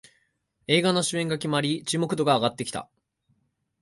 映画の主演が決まり注目度が上がってきた